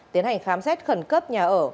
tiến hành khám xét khẩn cấp nhà ở